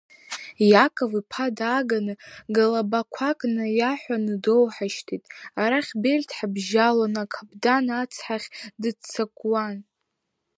Иаков-иԥа дааганы галабақәак наиаҳәаны доуҳашьҭит, арахь Бельт ҳабжьалон, акаԥдан ацҳахь дыццакуан.